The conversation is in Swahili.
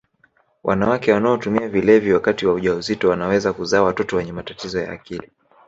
wanawake wanaotumia vilevi wakati wa ujauzito wanaweza kuzaa watoto wenye matatizo ya akili